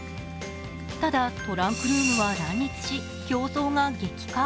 ただ、トランクルームは乱立し競争が激化。